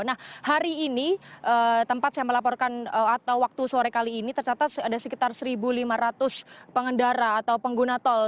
nah hari ini tempat saya melaporkan atau waktu sore kali ini tercatat ada sekitar satu lima ratus pengendara atau pengguna tol